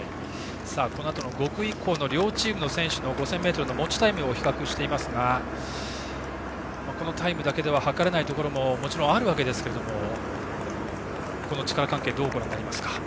このあとの５区以降の両チームの選手の５０００ｍの持ちタイムを比較していますがこのタイムだけでは計れないところももちろん、あるわけですがこの力関係どうご覧になりますか？